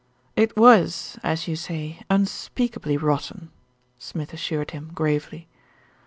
"It was, as you say, unspeakably rotten," Smith assured him gravely.